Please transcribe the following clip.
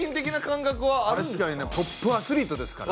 確かにねトップアスリートですから。